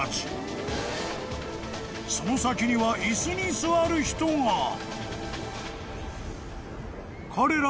［その先には椅子に座る人が］